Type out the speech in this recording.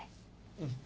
うん。